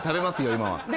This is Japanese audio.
今は。